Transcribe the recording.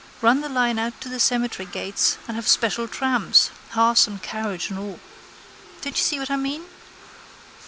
Run the line out to the cemetery gates and have special trams, hearse and carriage and all. Don't you see what I mean?